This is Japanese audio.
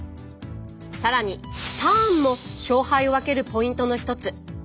更にターンも勝敗を分けるポイントの一つ。